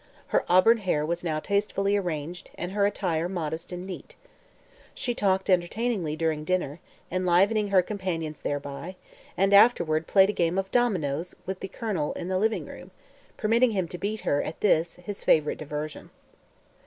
Her auburn hair was now tastefully arranged and her attire modest and neat. She talked entertainingly during dinner, enlivening her companions thereby, and afterward played a game of dominoes with the Colonel in the living room, permitting him to beat her at this, his favorite diversion.